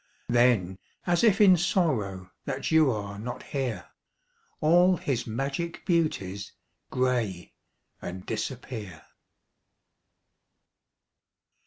Then, as if in sorrow That you are not here, All his magic beauties Gray and disappear.